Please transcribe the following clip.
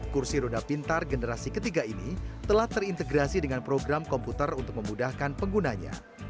kursi roda pintar generasi ketiga ini telah terintegrasi dengan program komputer untuk memudahkan penggunanya